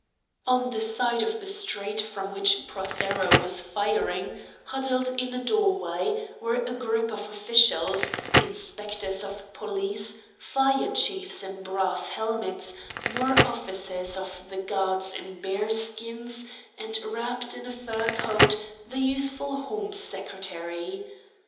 On the side of the street from which Prothero was firing, huddled in a doorway, were a group of officials, inspectors of police, fire chiefs in brass helmets, more officers of the Guards in bear skins, and, wrapped in a fur coat, the youthful Horne Secretary.